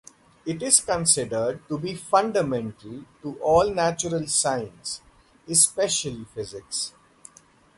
It is considered to be fundamental to all natural science, especially physics.